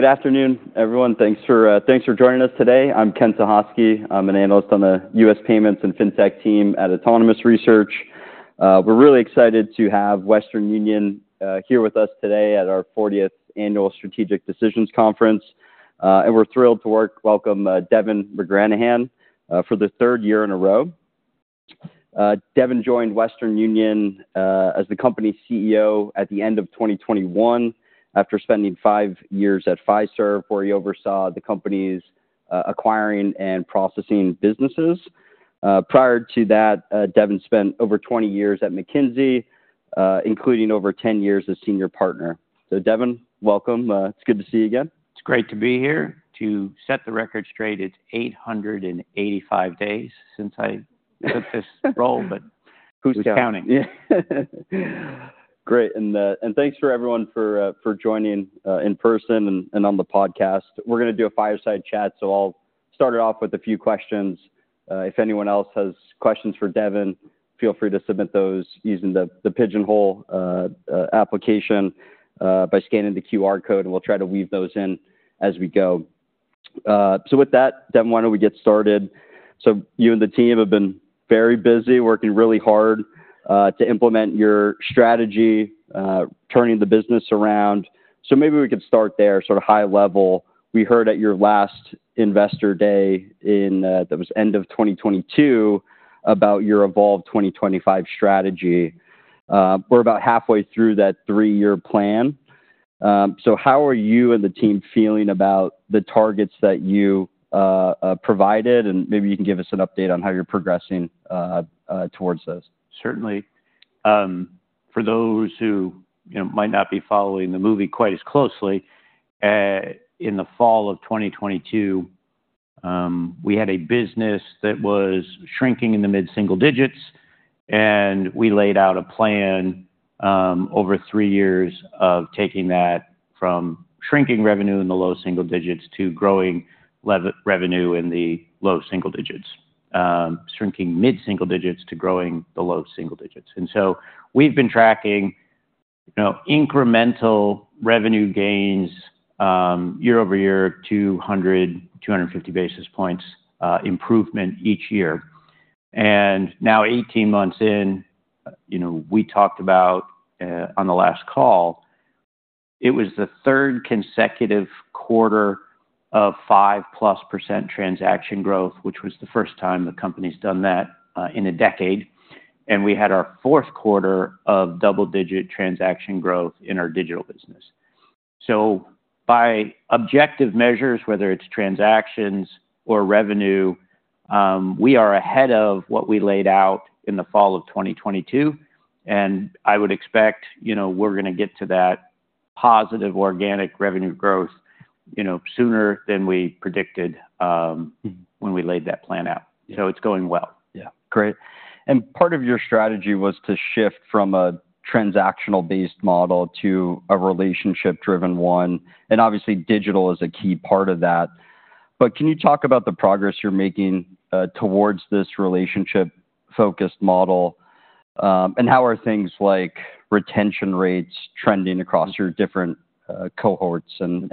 Good afternoon, everyone. Thanks for joining us today. I'm Ken Suchoski. I'm an analyst on the U.S. Payments and Fintech team at Autonomous Research. We're really excited to have Western Union here with us today at our fortieth Annual Strategic Decisions Conference. And we're thrilled to welcome Devin McGranahan for the third year in a row. Devin joined Western Union as the company CEO at the end of 2021, after spending five years at Fiserv, where he oversaw the company's acquiring and processing businesses. Prior to that, Devin spent over 20 years at McKinsey, including over 10 years as senior partner. So Devin, welcome. It's good to see you again. It's great to be here. To set the record straight, it's 885 days since I took this role, but who's counting? Yeah. Great. And thanks for everyone for joining in person and on the podcast. We're gonna do a fireside chat, so I'll start it off with a few questions. If anyone else has questions for Devin, feel free to submit those using the Pigeonhole application by scanning the QR code, and we'll try to weave those in as we go. So with that, Devin, why don't we get started? So you and the team have been very busy, working really hard to implement your strategy, turning the business around. So maybe we could start there, sort of high level. We heard at your last investor day in that was end of 2022, about your Evolve 2025 strategy. We're about halfway through that three-year plan. How are you and the team feeling about the targets that you provided? Maybe you can give us an update on how you're progressing towards those? Certainly. For those who, you know, might not be following the movie quite as closely, in the fall of 2022, we had a business that was shrinking in the mid-single digits, and we laid out a plan, over 3 years of taking that from shrinking revenue in the low single digits to growing revenue in the low single digits. Shrinking mid-single digits to growing the low single digits. And so we've been tracking, you know, incremental revenue gains, year-over-year, 200-250 basis points improvement each year. And now, 18 months in, you know, we talked about, on the last call, it was the third consecutive quarter of 5%+ transaction growth, which was the first time the company's done that, in a decade. We had our Q4 of double-digit transaction growth in our digital business. So by objective measures, whether it's transactions or revenue, we are ahead of what we laid out in the fall of 2022, and I would expect, you know, we're gonna get to that positive organic revenue growth, you know, sooner than we predicted. Mm-hmm... when we laid that plan out. Yeah. So it's going well. Yeah. Great. And part of your strategy was to shift from a transactional-based model to a relationship-driven one, and obviously, digital is a key part of that. But can you talk about the progress you're making towards this relationship-focused model? And how are things like retention rates trending across your different cohorts and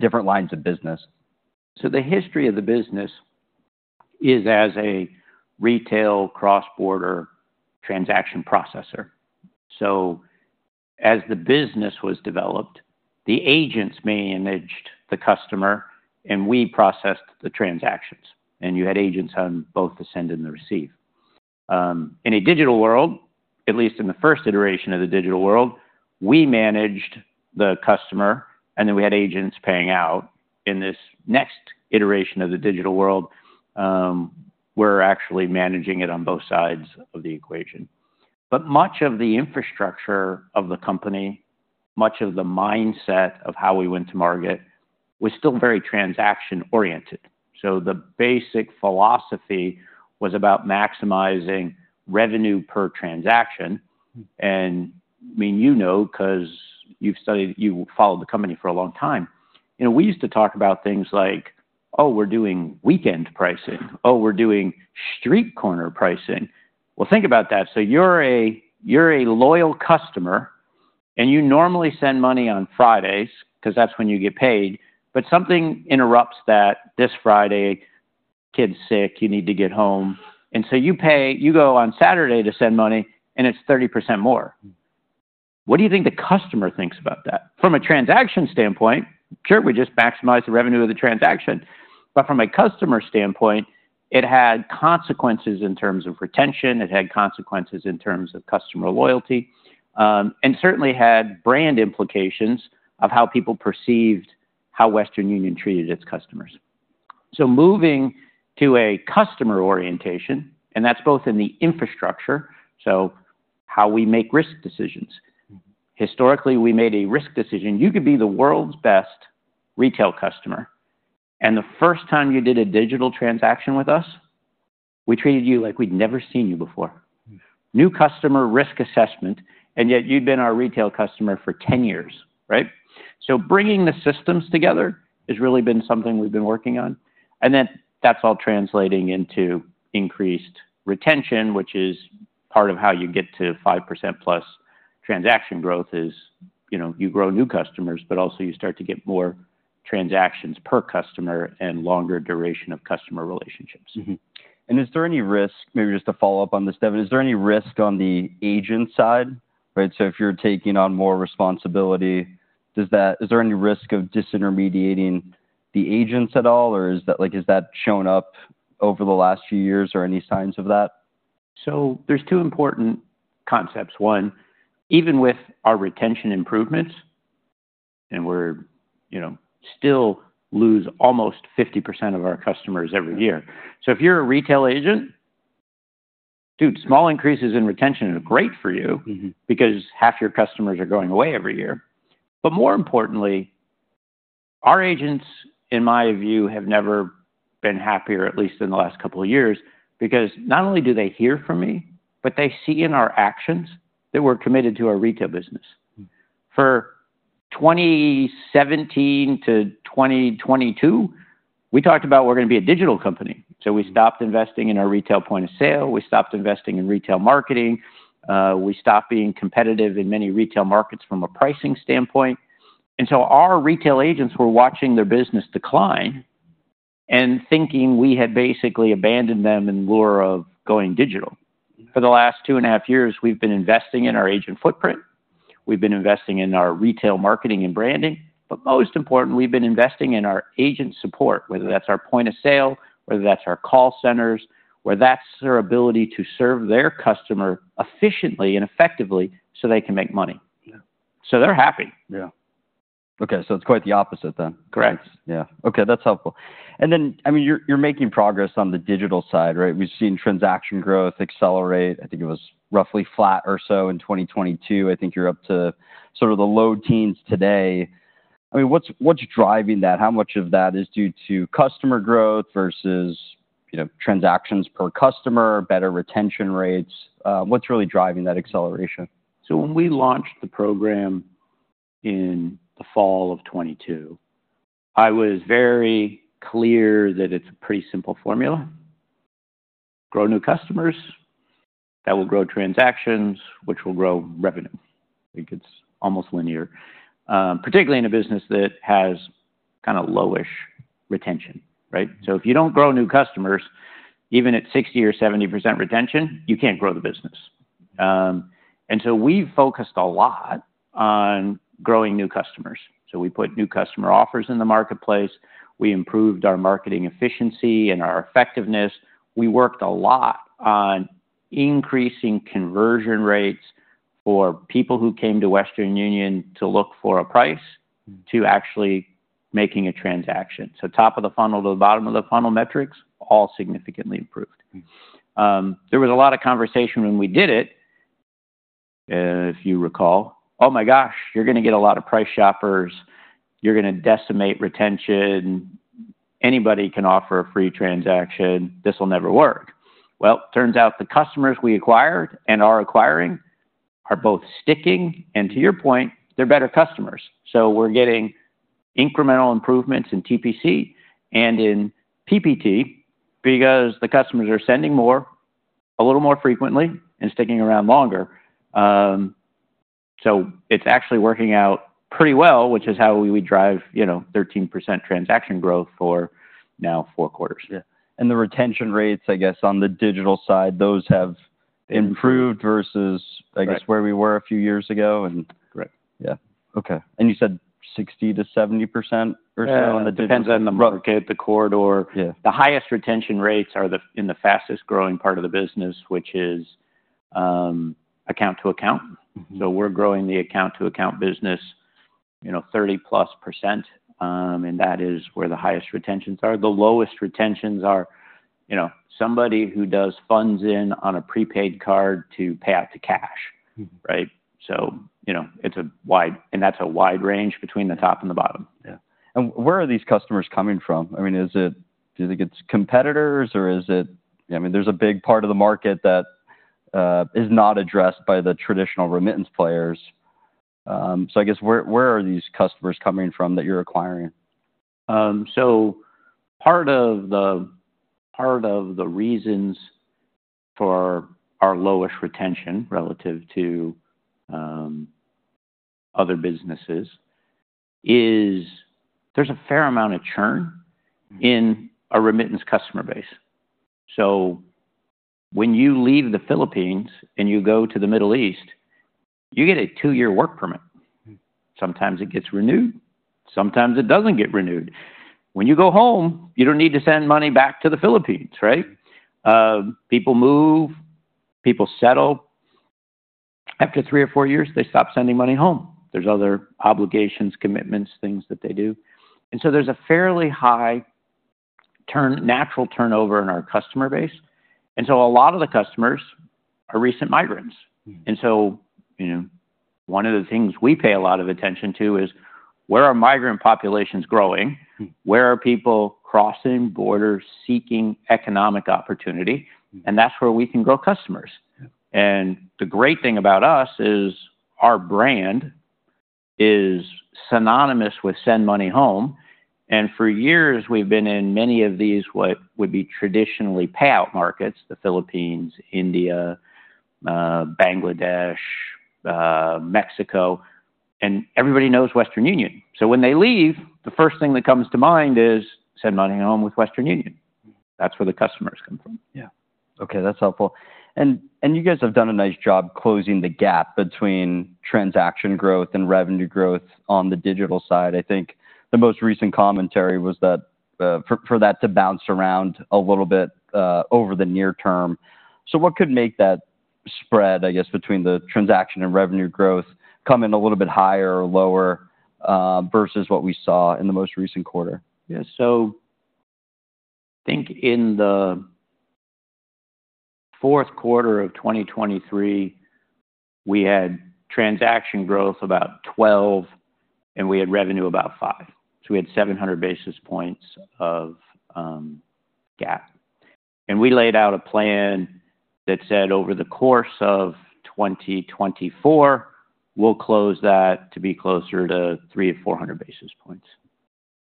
different lines of business? So the history of the business is as a retail cross-border transaction processor. So as the business was developed, the agents managed the customer, and we processed the transactions, and you had agents on both the send and the receive. In a digital world, at least in the first iteration of the digital world, we managed the customer, and then we had agents paying out. In this next iteration of the digital world, we're actually managing it on both sides of the equation. But much of the infrastructure of the company, much of the mindset of how we went to market, was still very transaction-oriented. So the basic philosophy was about maximizing revenue per transaction. Mm. And, I mean, you know, 'cause you've followed the company for a long time. You know, we used to talk about things like, "Oh, we're doing weekend pricing. Oh, we're doing street corner pricing." Well, think about that. So you're a loyal customer, and you normally send money on Fridays 'cause that's when you get paid, but something interrupts that this Friday. Kid's sick, you need to get home. And so you go on Saturday to send money, and it's 30% more. Mm. What do you think the customer thinks about that? From a transaction standpoint, sure, we just maximize the revenue of the transaction. But from a customer standpoint, it had consequences in terms of retention, it had consequences in terms of customer loyalty, and certainly had brand implications of how people perceived how Western Union treated its customers. So moving to a customer orientation, and that's both in the infrastructure, so how we make risk decisions. Mm-hmm. Historically, we made a risk decision. You could be the world's best retail customer, and the first time you did a digital transaction with us, we treated you like we'd never seen you before. Mm. New customer risk assessment, and yet you'd been our retail customer for 10 years, right? So bringing the systems together has really been something we've been working on, and then that's all translating into increased retention, which is part of how you get to 5%+ transaction growth is, you know, you grow new customers, but also you start to get more transactions per customer and longer duration of customer relationships. Mm-hmm. Is there any risk, maybe just to follow up on this, Devin, on the agent side? Right, so if you're taking on more responsibility, is there any risk of disintermediating the agents at all, or is that, like, has that shown up over the last few years, or any signs of that? So there's two important concepts. One, even with our retention improvements, and we're, you know, still lose almost 50% of our customers every year. So if you're a retail agent, dude, small increases in retention are great for you- Mm-hmm... because half your customers are going away every year. But more importantly, our agents, in my view, have never been happier, at least in the last couple of years, because not only do they hear from me, but they see in our actions that we're committed to our retail business. Mm. For 2017 to 2022, we talked about we're gonna be a digital company. So we stopped investing in our retail point of sale. We stopped investing in retail marketing. We stopped being competitive in many retail markets from a pricing standpoint. And so our retail agents were watching their business decline and thinking we had basically abandoned them in lure of going digital. Mm. For the last two and a half years, we've been investing in our agent footprint. We've been investing in our retail marketing and branding, but most importantly, we've been investing in our agent support, whether that's our point of sale, whether that's our call centers, whether that's their ability to serve their customer efficiently and effectively so they can make money. Yeah. So they're happy. Yeah. Okay, so it's quite the opposite then? Correct. Yeah. Okay, that's helpful. And then, I mean, you're, you're making progress on the digital side, right? We've seen transaction growth accelerate. I think it was roughly flat or so in 2022. I think you're up to sort of the low teens today. I mean, what's, what's driving that? How much of that is due to customer growth versus, you know, transactions per customer, better retention rates? What's really driving that acceleration? So when we launched the program in the fall of 2022, I was very clear that it's a pretty simple formula: grow new customers that will grow transactions, which will grow revenue. I think it's almost linear, particularly in a business that has kinda low-ish retention, right? So if you don't grow new customers, even at 60% or 70% retention, you can't grow the business. And so we've focused a lot on growing new customers. So we put new customer offers in the marketplace. We improved our marketing efficiency and our effectiveness. We worked a lot on increasing conversion rates for people who came to Western Union to look for a price- Mm... to actually making a transaction. So top of the funnel to the bottom of the funnel metrics, all significantly improved. Mm. There was a lot of conversation when we did it, if you recall, "Oh, my gosh, you're gonna get a lot of price shoppers. You're gonna decimate retention. Anybody can offer a free transaction. This will never work." Well, turns out, the customers we acquired and are acquiring are both sticking, and to your point, they're better customers. So we're getting incremental improvements in TPC and in PPT because the customers are sending more, a little more frequently, and sticking around longer. So it's actually working out pretty well, which is how we drive, you know, 13% transaction growth for now four quarters. Yeah, and the retention rates, I guess, on the digital side, those have improved versus- Right... I guess, where we were a few years ago, and- Correct. Yeah. Okay. And you said 60%-70% or so? Yeah, it depends on the market- The corridor. Yeah. The highest retention rates are in the fastest-growing part of the business, which is account to account. Mm-hmm. So we're growing the account to account business, you know, 30%+, and that is where the highest retentions are. The lowest retentions are, you know, somebody who does funds in on a prepaid card to pay out to cash. Mm. Right? So you know, it's a wide... and that's a wide range between the top and the bottom. Yeah. Where are these customers coming from? I mean, is it, do you think it's competitors, or is it... I mean, there's a big part of the market that is not addressed by the traditional remittance players. So I guess, where are these customers coming from that you're acquiring? So part of the, part of the reasons for our low-ish retention, relative to, other businesses, is there's a fair amount of churn- Mm... in a remittance customer base. So when you leave the Philippines and you go to the Middle East, you get a two-year work permit. Mm. Sometimes it gets renewed, sometimes it doesn't get renewed. When you go home, you don't need to send money back to the Philippines, right? People move, people settle. After three or four years, they stop sending money home. There's other obligations, commitments, things that they do. And so there's a fairly high natural turnover in our customer base, and so a lot of the customers are recent migrants. Mm. You know, one of the things we pay a lot of attention to is, where are migrant populations growing? Mm. Where are people crossing borders, seeking economic opportunity? Mm. That's where we can grow customers. Yeah. The great thing about us is our brand is synonymous with send money home. And for years, we've been in many of these, what would be traditionally payout markets: the Philippines, India, Bangladesh, Mexico, and everybody knows Western Union. So when they leave, the first thing that comes to mind is send money home with Western Union. That's where the customers come from. Yeah. Okay, that's helpful. And you guys have done a nice job closing the gap between transaction growth and revenue growth on the digital side. I think the most recent commentary was that, for that to bounce around a little bit, over the near term. So what could make that spread, I guess, between the transaction and revenue growth come in a little bit higher or lower, versus what we saw in the most recent quarter? Yeah. So I think in the Q4 of 2023, we had transaction growth about 12, and we had revenue about 5. So we had 700 basis points of gap. And we laid out a plan that said over the course of 2024, we'll close that to be closer to 300-400 basis points.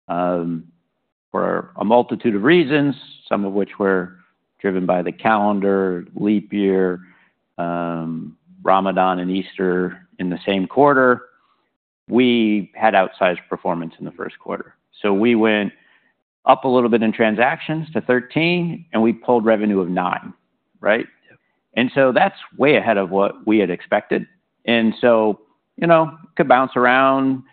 For a multitude of reasons, some of which were driven by the calendar, leap year, Ramadan and Easter in the same quarter, we had outsized performance in the Q1. So we went up a little bit in transactions to 13, and we pulled revenue of 9, right? Yeah. And so that's way ahead of what we had expected. And so, you know, could bounce around.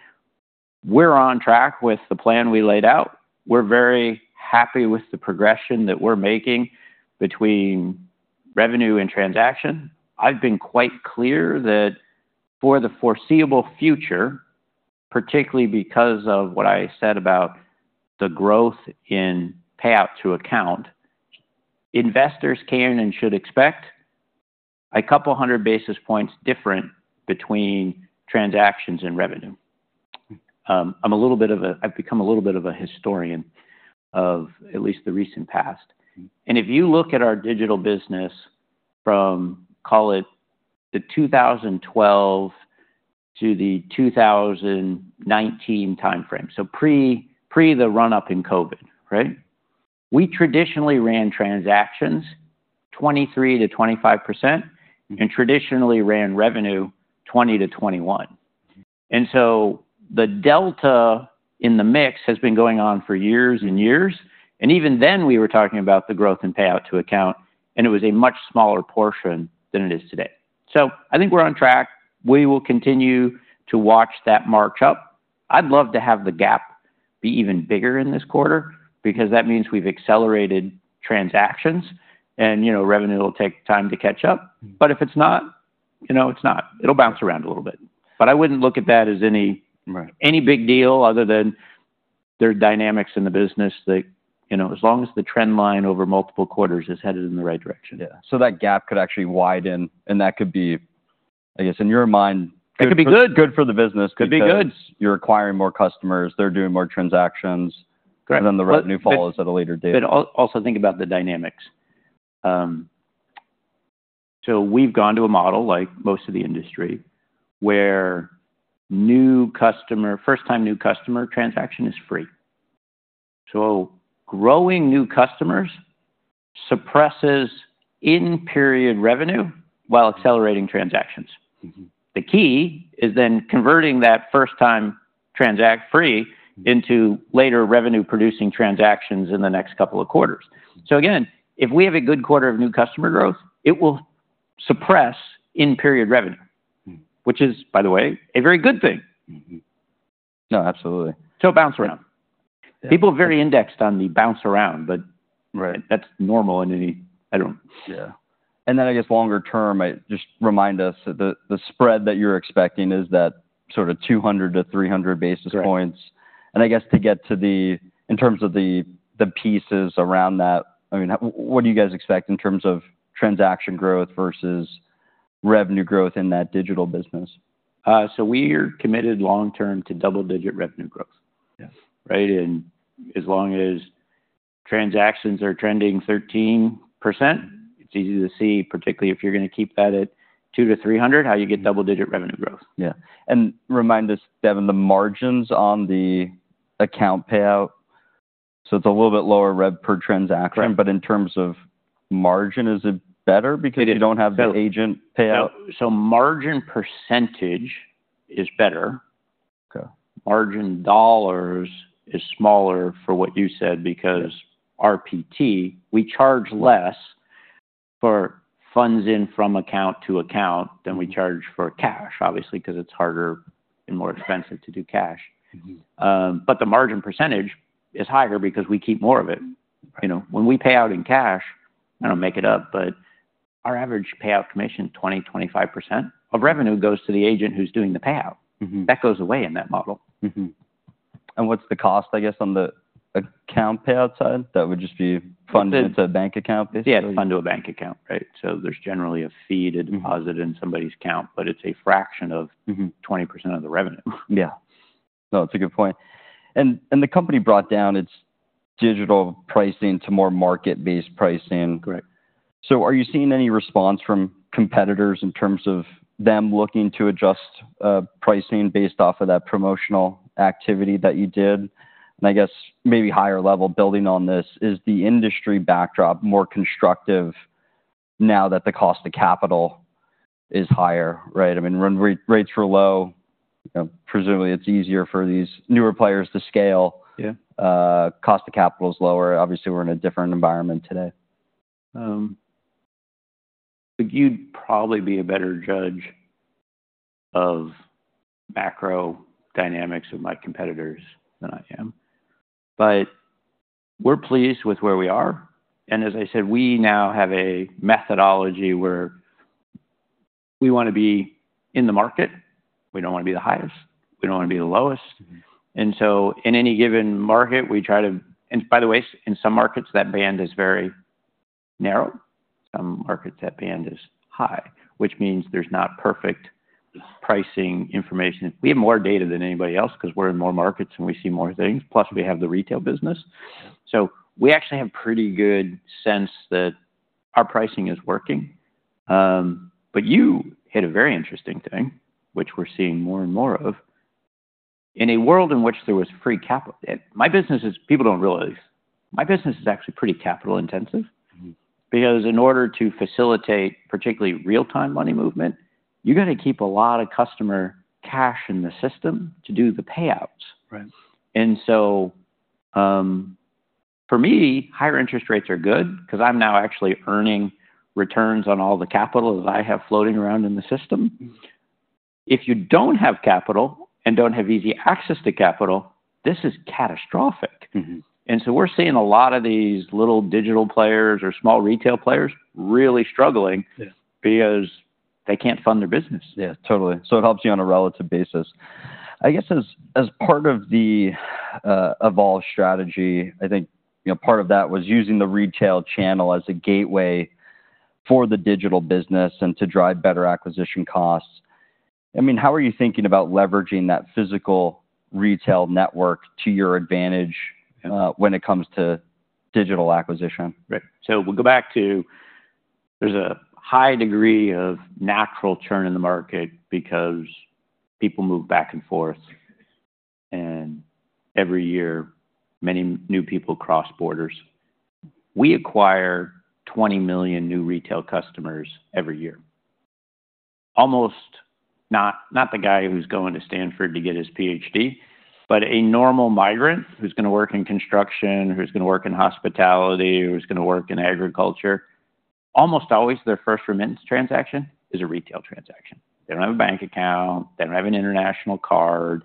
We're on track with the plan we laid out. We're very happy with the progression that we're making between revenue and transaction. I've been quite clear that for the foreseeable future, particularly because of what I said about the growth in payout to account, investors can and should expect a couple hundred basis points different between transactions and revenue. I've become a little bit of a historian of at least the recent past. Mm-hmm. And if you look at our digital business from, call it, 2012 to 2019 time frame, so pre, pre the run-up in COVID, right? We traditionally ran transactions 23%-25%, and traditionally ran revenue 20%-21%. And so the delta in the mix has been going on for years and years, and even then, we were talking about the growth in payout to account, and it was a much smaller portion than it is today. So I think we're on track. We will continue to watch that march up. I'd love to have the gap be even bigger in this quarter because that means we've accelerated transactions and, you know, revenue will take time to catch up. Mm-hmm. But if it's not, you know, it's not. It'll bounce around a little bit, but I wouldn't look at that as any- Right... any big deal other than there are dynamics in the business that, you know, as long as the trend line over multiple quarters is headed in the right direction. Yeah. So that gap could actually widen, and that could be, I guess, in your mind- It could be good. Good for the business. Could be good. You're acquiring more customers, they're doing more transactions- Correct and then the revenue follows at a later date. But also think about the dynamics. So we've gone to a model like most of the industry, where new customer, first-time new customer transaction is free. Growing new customers suppresses in-period revenue while accelerating transactions. Mm-hmm. The key is then converting that first-time transaction-free into later revenue-producing transactions in the next couple of quarters. So again, if we have a good quarter of new customer growth, it will suppress in-period revenue. Mm. Which is, by the way, a very good thing. Mm-hmm. No, absolutely. So it bounce around. Yeah. People are very indexed on the bounce around, but- Right... that's normal in any item. Yeah. And then, I guess longer term, I just remind us the spread that you're expecting is that sort of 200-300 basis points. Right. I guess to get to the, in terms of the pieces around that, I mean, what do you guys expect in terms of transaction growth versus revenue growth in that digital business? We're committed long term to double-digit revenue growth. Yes. Right? And as long as transactions are trending 13%, it's easy to see, particularly if you're gonna keep that at 200-300, how you get double-digit revenue growth. Yeah. And remind us, Devin, the margins on the account payout, so it's a little bit lower rev per transaction. Right. But in terms of margin, is it better because you don't have the agent payout? Margin percentage is better. Okay. Margin dollars is smaller for what you said because- Yeah RPT, we charge less for funds in from account to account than we charge for cash, obviously, because it's harder and more expensive to do cash. Mm-hmm. But the margin percentage is higher because we keep more of it. Right. You know, when we pay out in cash, I don't make it up, but our average payout commission, 20%-25% of revenue goes to the agent who's doing the payout. Mm-hmm. That goes away in that model. Mm-hmm. And what's the cost, I guess, on the account payout side? That would just be funded into a bank account, basically. Yeah, fund to a bank account, right. So there's generally a fee to deposit- Mm-hmm in somebody's account, but it's a fraction of- Mm-hmm -20% of the revenue. Yeah. No, it's a good point. And the company brought down its digital pricing to more market-based pricing. Correct.... So are you seeing any response from competitors in terms of them looking to adjust, pricing based off of that promotional activity that you did? And I guess maybe higher level building on this, is the industry backdrop more constructive now that the cost of capital is higher, right? I mean, when rates were low, you know, presumably it's easier for these newer players to scale. Yeah. Cost of capital is lower. Obviously, we're in a different environment today. Look, you'd probably be a better judge of macro dynamics of my competitors than I am. But we're pleased with where we are, and as I said, we now have a methodology where we wanna be in the market. We don't wanna be the highest, we don't wanna be the lowest. Mm-hmm. And by the way, so in some markets, that band is very narrow, some markets that band is high, which means there's not perfect pricing information. We have more data than anybody else 'cause we're in more markets and we see more things, plus we have the retail business. So we actually have pretty good sense that our pricing is working. But you hit a very interesting thing, which we're seeing more and more of. In a world in which there was free capital. People don't realize, my business is actually pretty capital intensive. Mm-hmm. Because in order to facilitate, particularly real-time money movement, you're gonna keep a lot of customer cash in the system to do the payouts. Right. For me, higher interest rates are good because I'm now actually earning returns on all the capital that I have floating around in the system. Mm-hmm. If you don't have capital and don't have easy access to capital, this is catastrophic. Mm-hmm. And so we're seeing a lot of these little digital players or small retail players really struggling- Yeah... because they can't fund their business. Yeah, totally. So it helps you on a relative basis. I guess, as part of the Evolve strategy, I think, you know, part of that was using the retail channel as a gateway for the digital business and to drive better acquisition costs. I mean, how are you thinking about leveraging that physical retail network to your advantage, when it comes to digital acquisition? Right. So we'll go back to there's a high degree of natural churn in the market because people move back and forth, and every year, many new people cross borders. We acquire 20 million new retail customers every year. Almost not, not the guy who's going to Stanford to get his PhD, but a normal migrant who's gonna work in construction, who's gonna work in hospitality, who's gonna work in agriculture, almost always their first remittance transaction is a retail transaction. They don't have a bank account, they don't have an international card.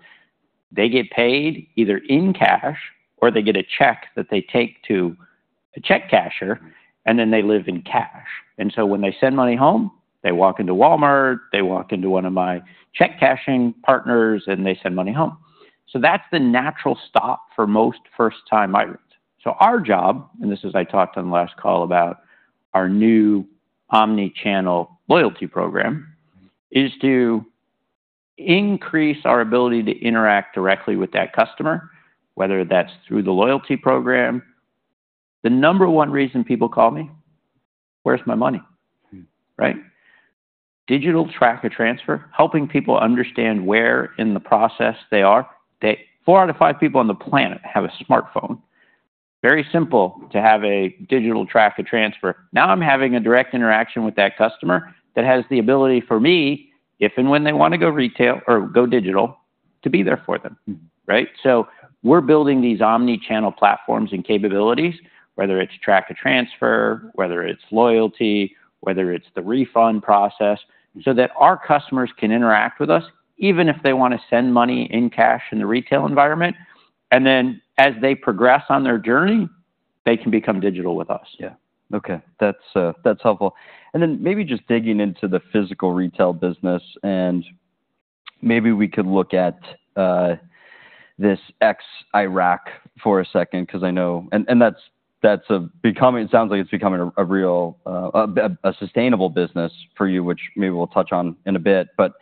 They get paid either in cash or they get a check that they take to a check casher, and then they live in cash. And so when they send money home, they walk into Walmart, they walk into one of my check cashing partners, and they send money home. So that's the natural stop for most first-time migrants. So our job, and this is I talked on the last call about our new Omni-channel loyalty program- Mm-hmm... is to increase our ability to interact directly with that customer, whether that's through the loyalty program. The number one reason people call me: "Where's my money? Mm-hmm. Right? Digital Track a Transfer, helping people understand where in the process they are. Four out of five people on the planet have a smartphone. Very simple to have a digital Track a Transfer. Now, I'm having a direct interaction with that customer that has the ability for me, if and when they want to go retail or go digital, to be there for them. Mm-hmm. Right? So we're building these Omni-channel platforms and capabilities, whether it's Track a Transfer, whether it's loyalty, whether it's the refund process. Mm-hmm... so that our customers can interact with us, even if they wanna send money in cash in the retail environment. And then as they progress on their journey, they can become digital with us. Yeah. Okay. That's, that's helpful. And then maybe just digging into the physical retail business, and maybe we could look at, this ex-Iraq for a second, 'cause I know... And that's, that's, becoming-- it sounds like it's becoming a, a real, a, a sustainable business for you, which maybe we'll touch on in a bit. But,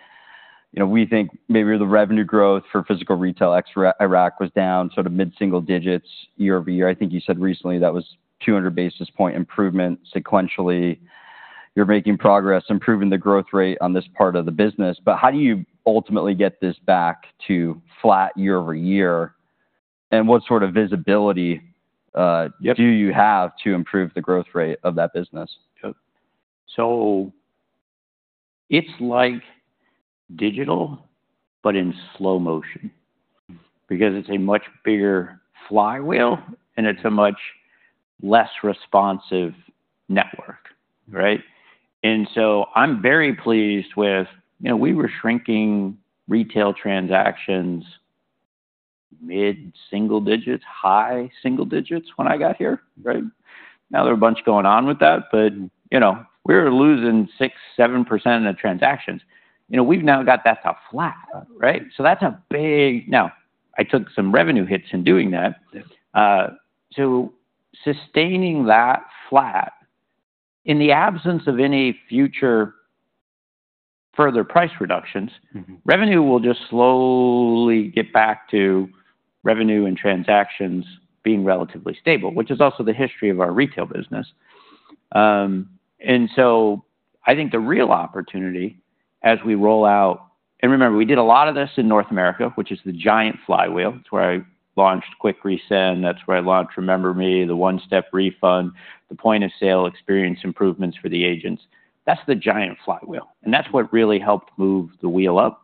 you know, we think maybe the revenue growth for physical retail ex-Iraq was down sort of mid-single digits year-over-year. I think you said recently that was 200 basis point improvement sequentially. You're making progress, improving the growth rate on this part of the business, but how do you ultimately get this back to flat year-over-year? And what sort of visibility, Yep... do you have to improve the growth rate of that business? Yep. So it's like digital, but in slow motion- Mm-hmm... because it's a much bigger flywheel, and it's a much less responsive network, right? And so I'm very pleased with... You know, we were shrinking retail transactions, mid-single digits, high single digits when I got here, right? Now, there are a bunch going on with that, but, you know, we're losing 6%-7% of the transactions. You know, we've now got that to flat, right? So that's a big... Now, I took some revenue hits in doing that. Yeah. So, sustaining that flat in the absence of any future... further price reductions, revenue will just slowly get back to revenue and transactions being relatively stable, which is also the history of our retail business. And so I think the real opportunity as we roll out— And remember, we did a lot of this in North America, which is the giant flywheel. It's where I launched Quick Resend, that's where I launched Remember Me, the One-Step Refund, the point-of-sale experience improvements for the agents. That's the giant flywheel, and that's what really helped move the wheel up.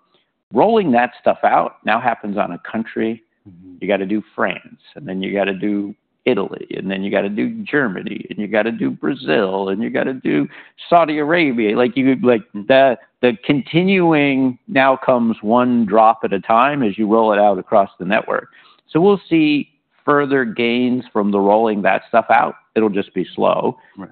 Rolling that stuff out now happens on a country. Mm-hmm. You got to do France, and then you got to do Italy, and then you got to do Germany, and you got to do Brazil, and you got to do Saudi Arabia. Like, you could, like, the continuing now comes one drop at a time as you roll it out across the network. So we'll see further gains from the rolling that stuff out. It'll just be slow. Right.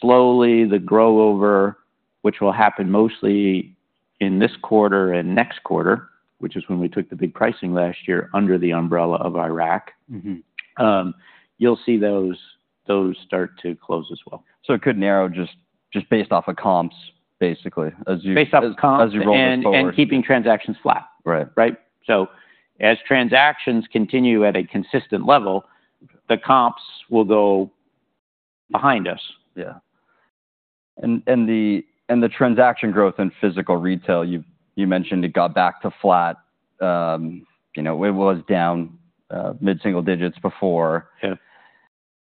Slowly, the growth over, which will happen mostly in this quarter and next quarter, which is when we took the big pricing last year under the umbrella of Iraq. Mm-hmm. You'll see those start to close as well. It could narrow just based off of comps, basically, as you- Based off of comps- As you roll this forward- And keeping transactions flat. Right. Right? So as transactions continue at a consistent level, the comps will go behind us. Yeah. And the transaction growth in physical retail, you mentioned it got back to flat. You know, it was down mid-single digits before. Yeah.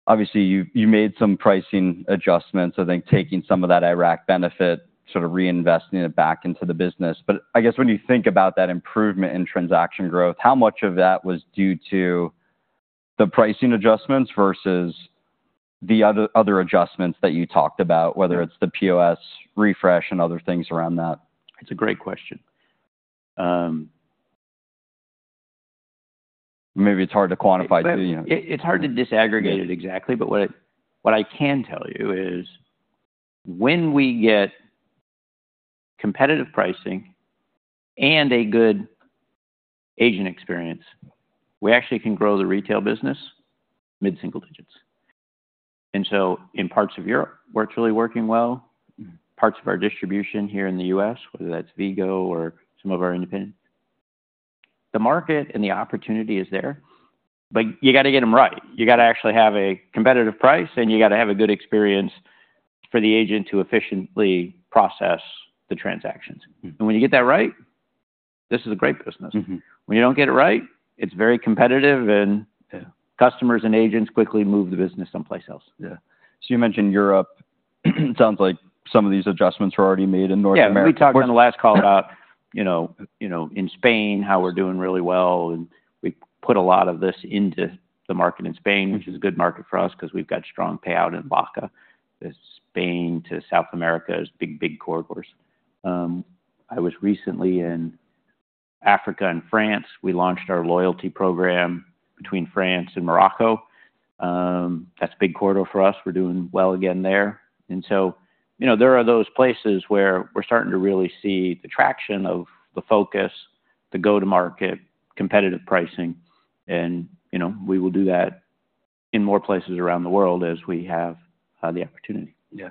Obviously, you made some pricing adjustments, I think, taking some of that Iraq benefit, sort of reinvesting it back into the business. But I guess when you think about that improvement in transaction growth, how much of that was due to the pricing adjustments versus the other adjustments that you talked about, whether it's the POS refresh and other things around that? It's a great question. Maybe it's hard to quantify, you know? It's hard to disaggregate it exactly, but what I can tell you is when we get competitive pricing and a good agent experience, we actually can grow the retail business mid-single digits. And so in parts of Europe, where it's really working well- Mm-hmm... parts of our distribution here in the U.S., whether that's Vigo or some of our independents. The market and the opportunity is there, but you got to get them right. You got to actually have a competitive price, and you got to have a good experience for the agent to efficiently process the transactions. Mm-hmm. When you get that right, this is a great business. Mm-hmm. When you don't get it right, it's very competitive and- Yeah... customers and agents quickly move the business someplace else. Yeah. So you mentioned Europe. Sounds like some of these adjustments were already made in North America. Yeah, we talked on the last call about, you know, you know, in Spain, how we're doing really well, and we put a lot of this into the market in Spain, which is a good market for us 'cause we've got strong payout in Bank. The Spain to South America is big, big corridors. I was recently in Africa and France. We launched our loyalty program between France and Morocco. That's a big corridor for us. We're doing well again there. And so, you know, there are those places where we're starting to really see the traction of the focus, the go-to-market, competitive pricing, and, you know, we will do that in more places around the world as we have the opportunity. Yeah.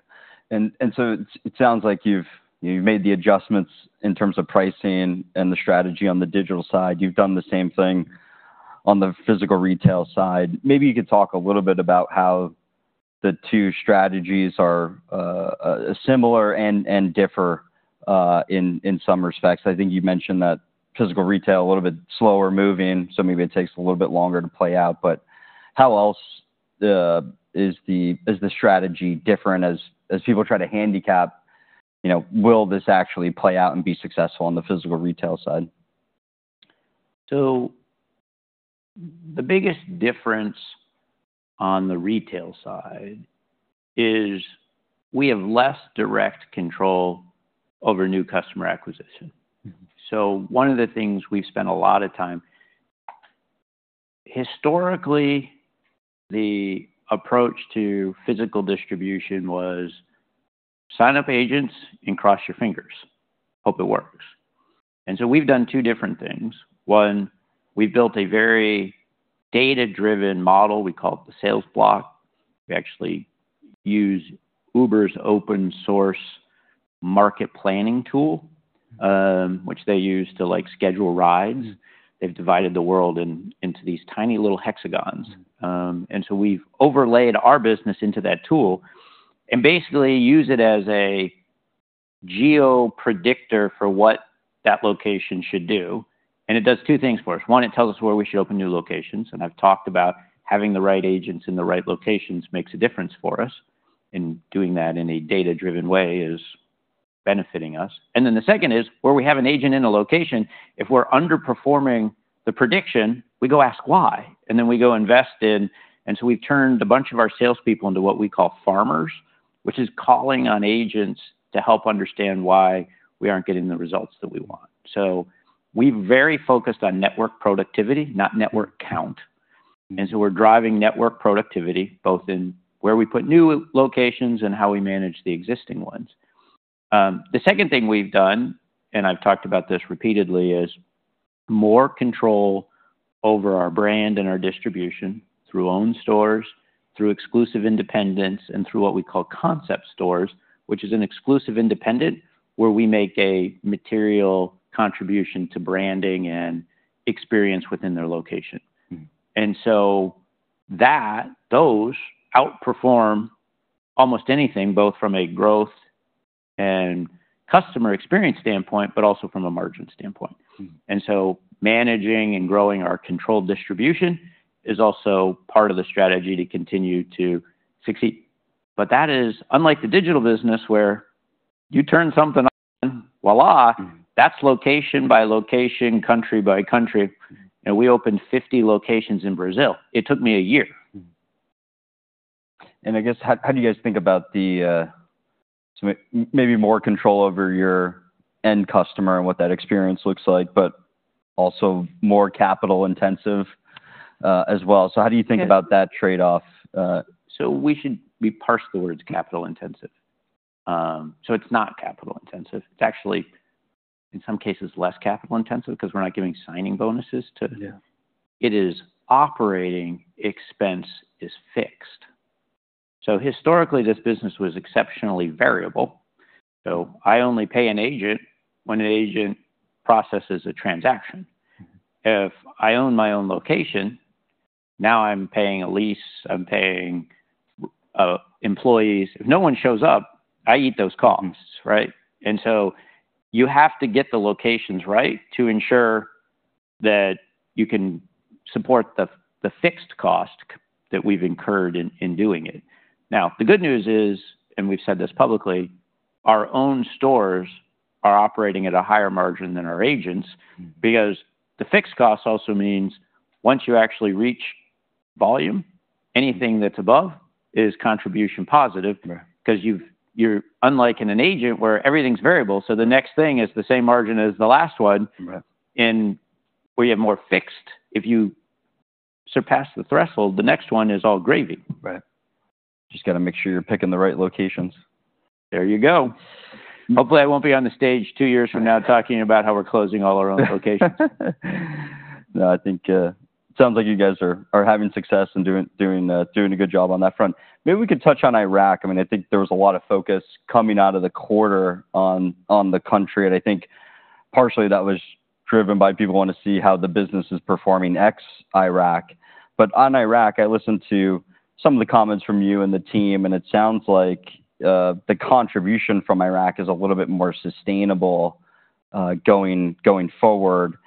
So it sounds like you've made the adjustments in terms of pricing and the strategy on the digital side. You've done the same thing on the physical retail side. Maybe you could talk a little bit about how the two strategies are similar and differ in some respects. I think you mentioned that physical retail, a little bit slower moving, so maybe it takes a little bit longer to play out. But how else is the strategy different as people try to handicap, you know, will this actually play out and be successful on the physical retail side? So the biggest difference on the retail side is we have less direct control over new customer acquisition. Mm-hmm. So one of the things we've spent a lot of time. Historically, the approach to physical distribution was sign up agents and cross your fingers, hope it works. And so we've done two different things. One, we've built a very data-driven model. We call it the Sales Block. We actually use Uber's open source market planning tool, which they use to, like, schedule rides. They've divided the world into these tiny little hexagons. And so we've overlaid our business into that tool and basically use it as a geo predictor for what that location should do. And it does two things for us. One, it tells us where we should open new locations, and I've talked about having the right agents in the right locations makes a difference for us, and doing that in a data-driven way is benefiting us. Then the second is, where we have an agent in a location, if we're underperforming the prediction, we go ask why, and then we go invest in. And so we've turned a bunch of our salespeople into what we call farmers, which is calling on agents to help understand why we aren't getting the results that we want. So we're very focused on network productivity, not network count. And so we're driving network productivity, both in where we put new locations and how we manage the existing ones. The second thing we've done, and I've talked about this repeatedly, is more control over our brand and our distribution through owned stores, through exclusive independents, and through what we call concept stores, which is an exclusive independent, where we make a material contribution to branding and experience within their location. Mm-hmm. And so that, those outperform almost anything, both from a growth and customer experience standpoint, but also from a margin standpoint. Mm-hmm. And so managing and growing our controlled distribution is also part of the strategy to continue to succeed. But that is unlike the digital business, where you turn something on, voila! Mm-hmm. That's location by location, country by country. We opened 50 locations in Brazil. It took me a year. Mm-hmm. And I guess, how, how do you guys think about the, so maybe more control over your end customer and what that experience looks like, but also more capital intensive, as well? So how do you think about that trade-off? We parse the words capital intensive. It's not capital intensive. It's actually, in some cases, less capital intensive because we're not giving signing bonuses to- Yeah. It is operating expense is fixed. So historically, this business was exceptionally variable. So I only pay an agent when an agent processes a transaction. If I own my own location, now I'm paying a lease, I'm paying, employees. If no one shows up, I eat those costs, right? And so you have to get the locations right to ensure that you can support the fixed cost that we've incurred in doing it. Now, the good news is, and we've said this publicly, our own stores are operating at a higher margin than our agents- Mm-hmm... because the fixed cost also means once you actually reach volume, anything that's above is contribution positive. Right. 'Cause you're unlike an agent, where everything's variable, so the next thing is the same margin as the last one. Right. We have more fixed. If you surpass the threshold, the next one is all gravy. Right. Just got to make sure you're picking the right locations. There you go. Hopefully, I won't be on the stage two years from now, talking about how we're closing all our own locations. No, I think it sounds like you guys are having success and doing a good job on that front. Maybe we could touch on Iraq. I mean, I think there was a lot of focus coming out of the quarter on the country, and I think partially that was driven by people wanting to see how the business is performing ex Iraq. But on Iraq, I listened to some of the comments from you and the team, and it sounds like the contribution from Iraq is a little bit more sustainable going forward.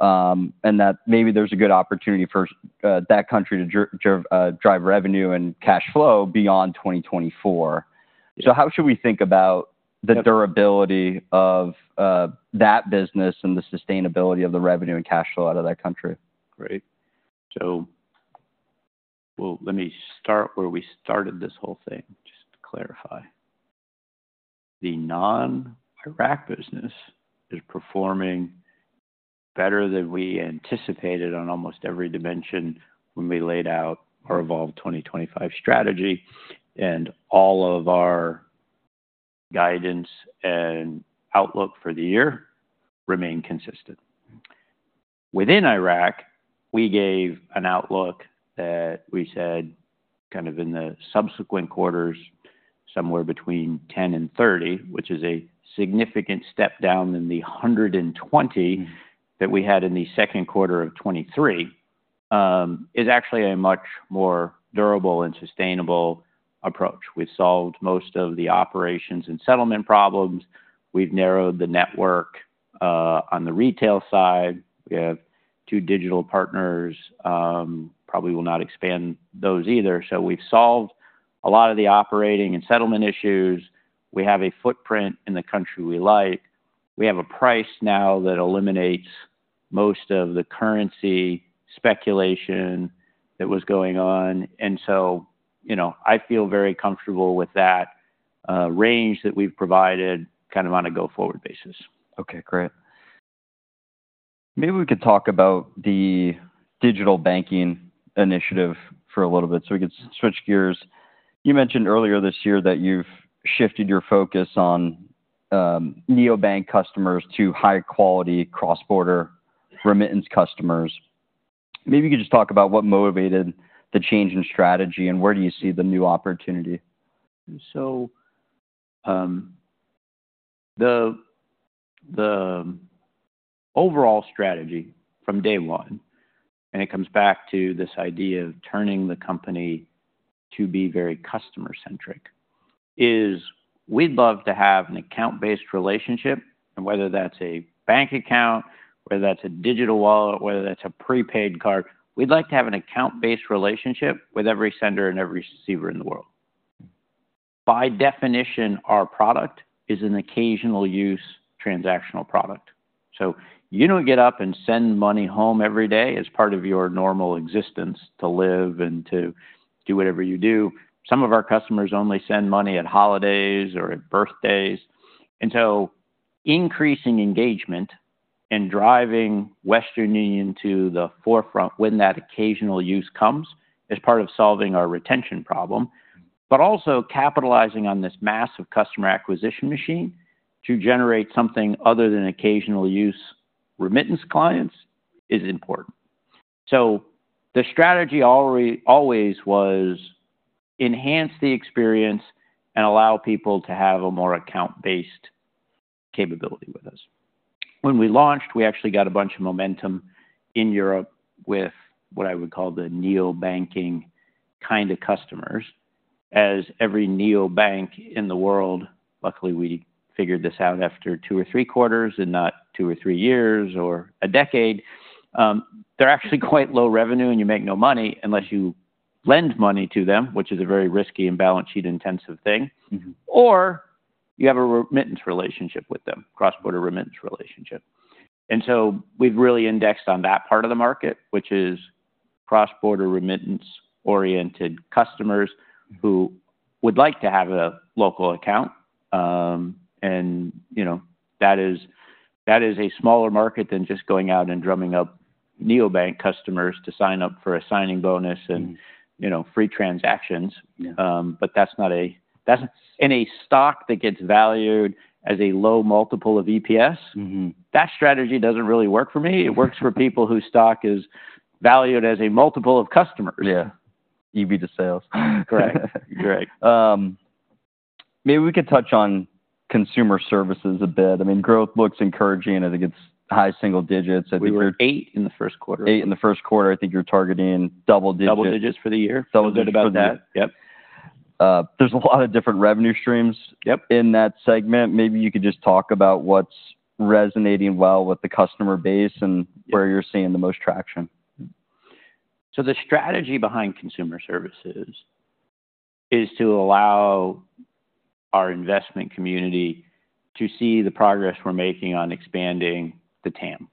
And that maybe there's a good opportunity for that country to drive revenue and cash flow beyond 2024. So how should we think about the durability of that business and the sustainability of the revenue and cash flow out of that country? Great. So, well, let me start where we started this whole thing, just to clarify. The non-Iraq business is performing better than we anticipated on almost every dimension when we laid out our Evolve 2025 strategy, and all of our guidance and outlook for the year remain consistent. Within Iraq, we gave an outlook that we said, kind of in the subsequent quarters, somewhere between 10 and 30, which is a significant step down in the 120- Mm-hmm -that we had in the Q2 of 2023 is actually a much more durable and sustainable approach. We've solved most of the operations and settlement problems. We've narrowed the network on the retail side. We have two digital partners, probably will not expand those either. So we've solved a lot of the operating and settlement issues. We have a footprint in the country we like. We have a price now that eliminates most of the currency speculation that was going on. And so, you know, I feel very comfortable with that range that we've provided, kind of on a go-forward basis. Okay, great. Maybe we could talk about the digital banking initiative for a little bit, so we could switch gears. You mentioned earlier this year that you've shifted your focus on, neobank customers to high-quality cross-border remittance customers. Maybe you could just talk about what motivated the change in strategy and where do you see the new opportunity? So, the overall strategy from day one, and it comes back to this idea of turning the company to be very customer-centric, is we'd love to have an account-based relationship, and whether that's a bank account, whether that's a digital wallet, whether that's a prepaid card, we'd like to have an account-based relationship with every sender and every receiver in the world. By definition, our product is an occasional use transactional product. So you don't get up and send money home every day as part of your normal existence to live and to do whatever you do. Some of our customers only send money at holidays or at birthdays. And so increasing engagement and driving Western Union to the forefront when that occasional use comes, is part of solving our retention problem. but also capitalizing on this massive customer acquisition machine to generate something other than occasional use remittance clients is important. So the strategy already always was enhance the experience and allow people to have a more account-based capability with us. When we launched, we actually got a bunch of momentum in Europe with what I would call the neobanking kind of customers. As every neobank in the world, luckily, we figured this out after 2 or 3 quarters and not 2 or 3 years or a decade, they're actually quite low revenue, and you make no money unless you lend money to them, which is a very risky and balance sheet intensive thing. Mm-hmm. Or you have a remittance relationship with them, cross-border remittance relationship. And so we've really indexed on that part of the market, which is cross-border remittance-oriented customers- Mm. —who would like to have a local account. You know, that is, that is a smaller market than just going out and drumming up neobank customers to sign up for a signing bonus and— Mm. you know, free transactions. Yeah. But that's not a-- that's... In a stock that gets valued as a low multiple of EPS- Mm-hmm. That strategy doesn't really work for me. It works for people whose stock is valued as a multiple of customers. Yeah. EV to sales. Correct. Correct. Maybe we could touch on Consumer Services a bit. I mean, growth looks encouraging. I think it's high single digits. I think- We were 8 in the Q1. 8 in the Q1. I think you're targeting double digits. Double digits for the year. Double digits for the- Feel good about that. Yep. There's a lot of different revenue streams- Yep... in that segment. Maybe you could just talk about what's resonating well with the customer base and- Yeah where you're seeing the most traction. So the strategy behind Consumer Services is to allow our investment community to see the progress we're making on expanding the TAM,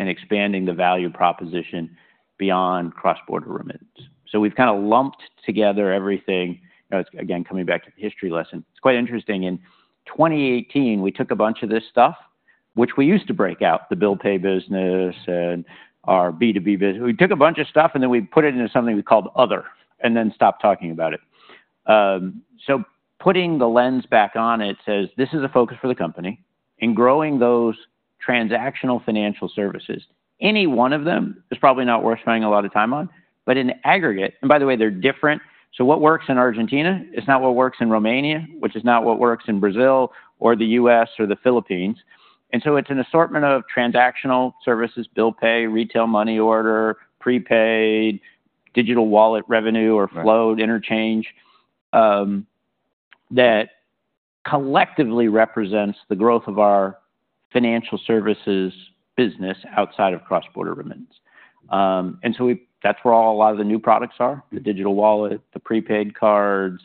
and expanding the value proposition beyond cross-border remittance. So we've kind of lumped together everything. Now, it's, again, coming back to the history lesson. It's quite interesting. In 2018, we took a bunch of this stuff, which we used to break out, the Bill Pay business and our B2B business. We took a bunch of stuff, and then we put it into something we called Other, and then stopped talking about it. So putting the lens back on it says, this is a focus for the company. In growing those transactional financial services, any one of them is probably not worth spending a lot of time on, but in aggregate... By the way, they're different. So what works in Argentina is not what works in Romania, which is not what works in Brazil or the U.S. or the Philippines. And so it's an assortment of transactional services, bill pay, retail, money order, prepaid, digital wallet revenue or flow- Right ...interchange that collectively represents the growth of our financial services business outside of cross-border remittance. And so that's where a lot of the new products are, the digital wallet, the prepaid cards,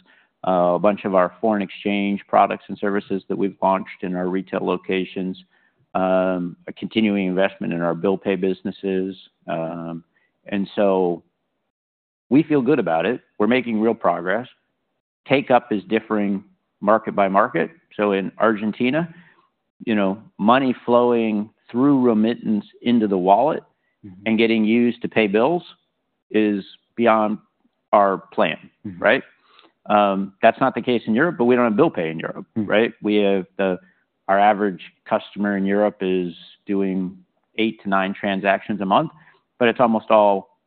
a bunch of our foreign exchange products and services that we've launched in our retail locations, a continuing investment in our bill pay businesses. And so we feel good about it. We're making real progress. Uptake is differing market by market. So in Argentina, you know, money flowing through remittance into the wallet- Mm-hmm... and getting users to pay bills is beyond our plan. Mm. Right? That's not the case in Europe, but we don't have Bill Pay in Europe. Mm. Right? We have our average customer in Europe is doing 8-9 transactions a month, but it's almost all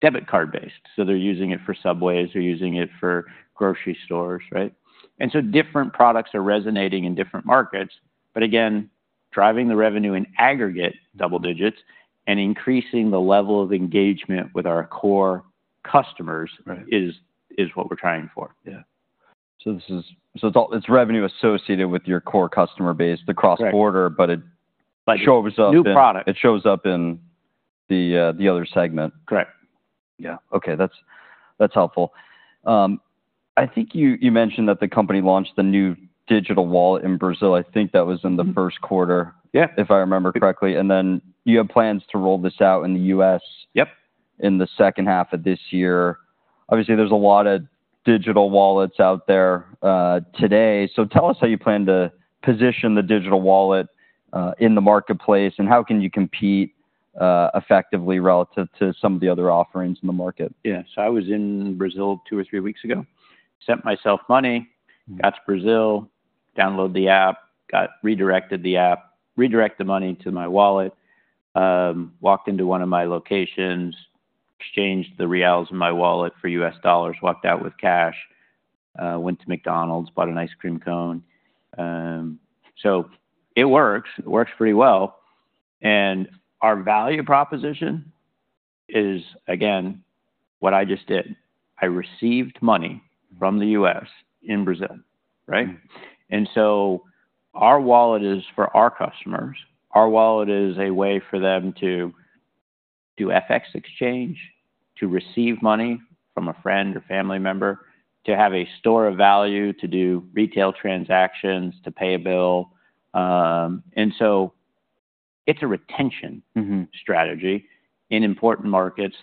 debit card-based, so they're using it for Subway, they're using it for grocery stores, right? And so different products are resonating in different markets. But again, driving the revenue in aggregate double digits and increasing the level of engagement with our core customers- Right... is what we're trying for. Yeah. So it's all, it's revenue associated with your core customer base, the cross-border- Right but it, like, shows up in- New product... it shows up in the other segment. Correct. Yeah. Okay, that's, that's helpful. I think you, you mentioned that the company launched the new digital wallet in Brazil. I think that was in the Q1- Yeah... if I remember correctly. And then you have plans to roll this out in the U.S.- Yep... in the second half of this year. Obviously, there's a lot of digital wallets out there, today. So tell us how you plan to position the digital wallet, in the marketplace, and how can you compete, effectively relative to some of the other offerings in the market? Yeah. So I was in Brazil two or three weeks ago. Sent myself money- Mm. Got to Brazil, download the app, got redirected. The app redirected the money to my wallet, walked into one of my locations, exchanged the reals in my wallet for U.S. dollars, walked out with cash, went to McDonald's, bought an ice cream cone. So it works. It works pretty well. And our value proposition is, again, what I just did. I received money from the U.S. in Brazil, right? Mm. Our wallet is for our customers. Our wallet is a way for them to do FX exchange, to receive money from a friend or family member, to have a store of value, to do retail transactions, to pay a bill, and so it's a retention- Mm-hmm... strategy in important markets.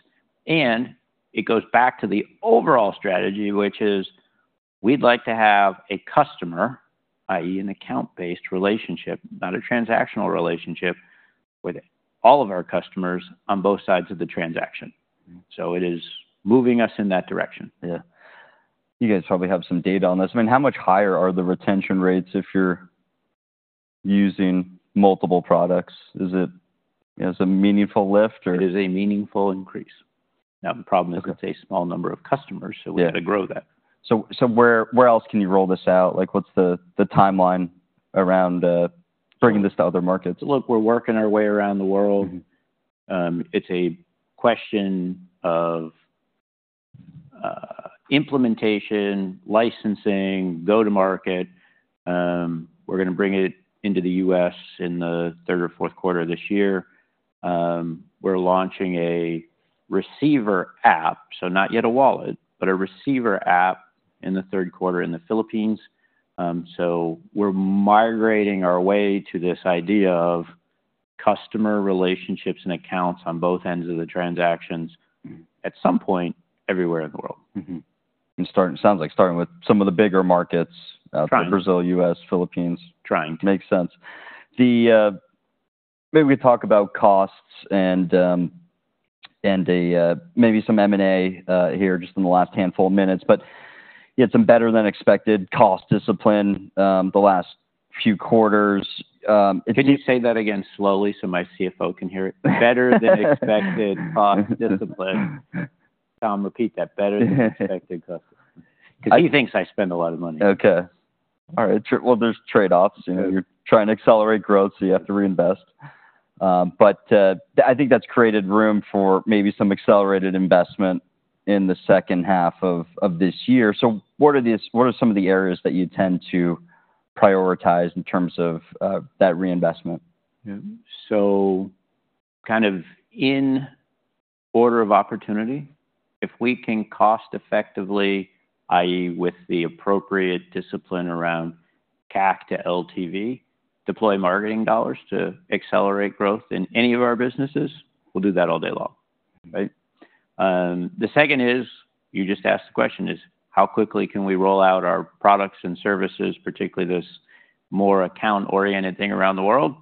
It goes back to the overall strategy, which is, we'd like to have a customer, i.e., an account-based relationship, not a transactional relationship... with all of our customers on both sides of the transaction. So it is moving us in that direction. Yeah. You guys probably have some data on this. I mean, how much higher are the retention rates if you're using multiple products? Is it, you know, is a meaningful lift or- It is a meaningful increase. Now, the problem is it's a small number of customers- Yeah. So we've got to grow that. So, where else can you roll this out? Like, what's the timeline around bringing this to other markets? Look, we're working our way around the world. Mm-hmm. It's a question of, implementation, licensing, go-to-market. We're gonna bring it into the U.S. in the third or Q4 of this year. We're launching a receiver app, so not yet a wallet, but a receiver app in the Q3 in the Philippines. So we're migrating our way to this idea of customer relationships and accounts on both ends of the transactions- Mm-hmm. at some point, everywhere in the world. Mm-hmm. And sounds like starting with some of the bigger markets. Trying. Brazil, US, Philippines. Trying. Makes sense. Maybe we talk about costs and maybe some M&A here just in the last handful of minutes. But you had some better-than-expected cost discipline the last few quarters. If you- Could you say that again slowly so my CFO can hear it? Better than expected cost discipline. Tom, repeat that. Better than expected cost -- because he thinks I spend a lot of money. Okay. All right, sure. Well, there's trade-offs. Yeah. You're trying to accelerate growth, so you have to reinvest. But, I think that's created room for maybe some accelerated investment in the second half of this year. So what are some of the areas that you tend to prioritize in terms of that reinvestment? Yeah. So kind of in order of opportunity, if we can cost effectively, i.e., with the appropriate discipline around CAC to LTV, deploy marketing dollars to accelerate growth in any of our businesses, we'll do that all day long, right? The second is, you just asked the question, how quickly can we roll out our products and services, particularly this more account-oriented thing around the world?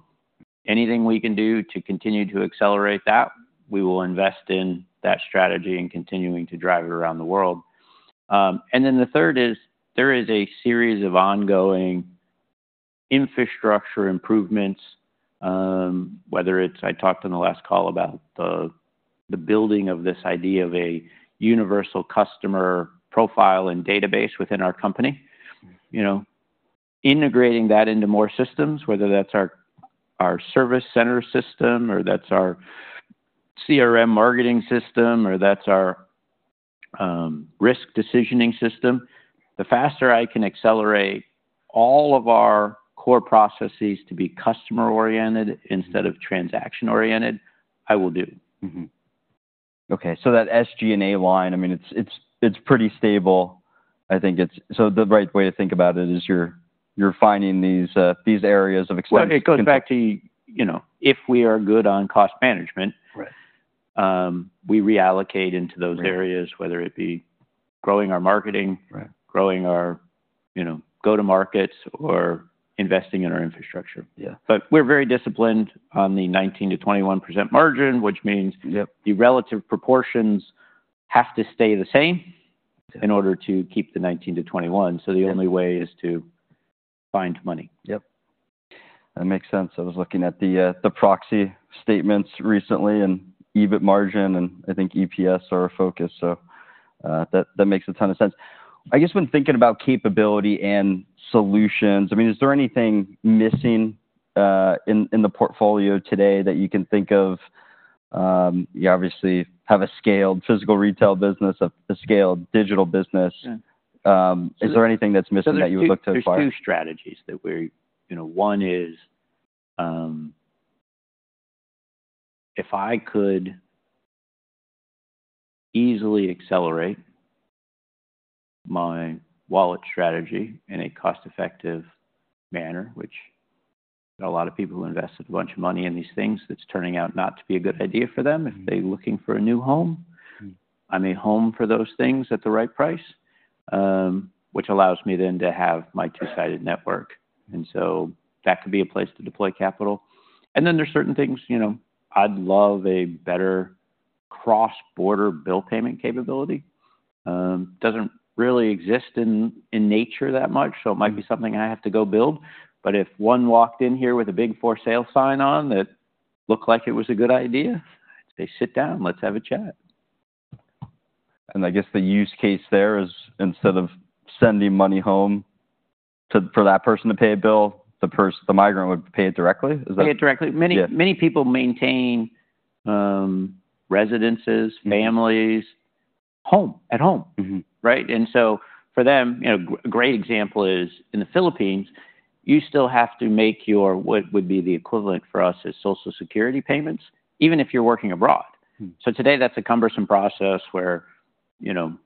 Anything we can do to continue to accelerate that, we will invest in that strategy and continuing to drive it around the world. And then the third is, there is a series of ongoing infrastructure improvements, whether it's... I talked on the last call about the, the building of this idea of a Universal Customer Profile and database within our company. Mm-hmm. You know, integrating that into more systems, whether that's our, our service center system or that's our CRM marketing system or that's our risk decisioning system. The faster I can accelerate all of our core processes to be customer-oriented instead of transaction-oriented, I will do it. Mm-hmm. Okay, so that SG&A line, I mean, it's pretty stable. I think it's-- so the right way to think about it is you're finding these areas of expense- It goes back to, you know, if we are good on cost management- Right... we reallocate into those areas- Right whether it be growing our marketing Right growing our, you know, go-to-markets or investing in our infrastructure. Yeah. But we're very disciplined on the 19%-21% margin, which means- Yep The relative proportions have to stay the same. Okay in order to keep the 19-21. Yep. The only way is to find money. Yep. That makes sense. I was looking at the proxy statements recently, and EBIT margin, and I think EPS are our focus, so that makes a ton of sense. I guess when thinking about capability and solutions, I mean, is there anything missing in the portfolio today that you can think of? You obviously have a scaled physical retail business, a scaled digital business. Yeah. Is there anything that's missing that you would look to acquire? There's two strategies that we're... You know, one is, if I could easily accelerate my wallet strategy in a cost-effective manner, which a lot of people who invested a bunch of money in these things, that's turning out not to be a good idea for them. Mm-hmm. If they're looking for a new home- Mm-hmm I'm a home for those things at the right price, which allows me then to have my two-sided network. And so that could be a place to deploy capital. And then there's certain things, you know, I'd love a better cross-border bill payment capability. Doesn't really exist in nature that much, so- Mm-hmm It might be something I have to go build. But if one walked in here with a big for sale sign on that looked like it was a good idea, I'd say, "Sit down, let's have a chat. I guess the use case there is, instead of sending money home to, for that person to pay a bill, the migrant would pay it directly? Is that- Pay it directly. Yeah. Many, many people maintain residences- Mm-hmm families, home, at home. Mm-hmm. Right? So for them, you know, a great example is, in the Philippines, you still have to make your, what would be the equivalent for us as Social Security payments, even if you're working abroad. Mm. So today, that's a cumbersome process where, you know,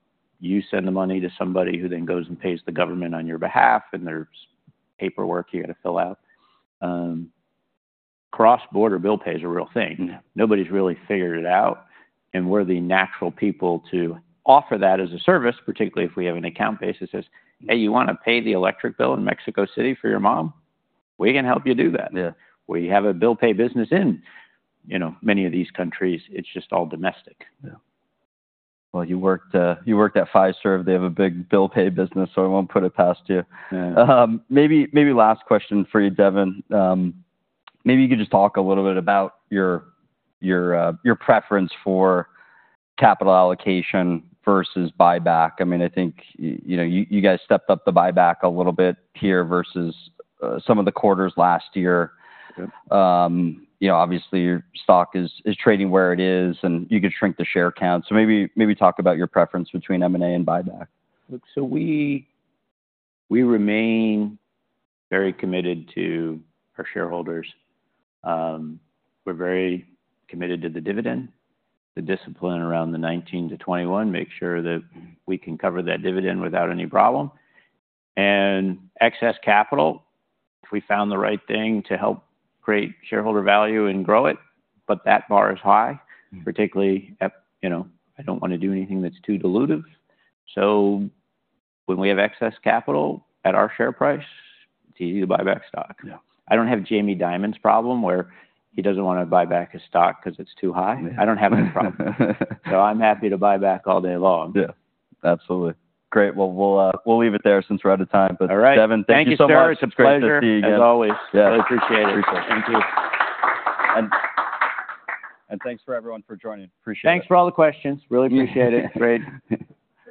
you send the money to somebody who then goes and pays the government on your behalf, and there's paperwork you got to fill out. Cross-border bill pay is a real thing. Mm. Nobody's really figured it out, and we're the natural people to offer that as a service, particularly if we have an account base that says: "Hey, you wanna pay the electric bill in Mexico City for your mom? We can help you do that. Yeah. We have a bill pay business in, you know, many of these countries. It's just all domestic. Yeah. Well, you worked at Fiserv. They have a big bill pay business, so I won't put it past you. Yeah. Maybe, maybe last question for you, Devin. Maybe you could just talk a little bit about your preference for capital allocation versus buyback. I mean, I think you know, you guys stepped up the buyback a little bit here versus some of the quarters last year. Yep. You know, obviously, your stock is trading where it is, and you could shrink the share count. So maybe talk about your preference between M&A and buyback. Look, so we remain very committed to our shareholders. We're very committed to the dividend, the discipline around the 19-21, make sure that we can cover that dividend without any problem. Excess capital, if we found the right thing to help create shareholder value and grow it, but that bar is high. Mm. Particularly at, you know, I don't wanna do anything that's too dilutive. So when we have excess capital at our share price, it's easy to buy back stock. Yeah. I don't have Jamie Dimon's problem, where he doesn't wanna buy back his stock 'cause it's too high. Yeah. I don't have that problem. So I'm happy to buy back all day long. Yeah, absolutely. Great. Well, we'll leave it there since we're out of time. All right. Devin, thank you so much. Thank you, Sarah. It's a pleasure- It's great to see you again. -as always. Yeah. I appreciate it. Appreciate it. Thank you. Thanks for everyone for joining. Appreciate it. Thanks for all the questions. Really appreciate it. Great.